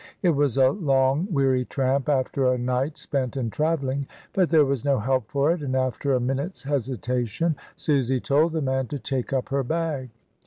It was a long weary tramp after a night spent in travelling; but there was no help for it, and after a minute's hesitation, Susy told the man to take up her bag.